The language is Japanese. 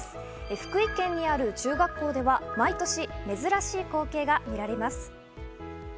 福井県にある中学校では毎年珍しい光景が見られます。